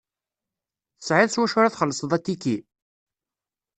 Tesɛiḍ s wacu ara txelseḍ atiki?